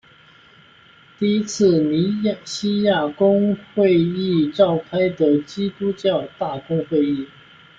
第一次尼西亚公会议召开的基督教大公会议。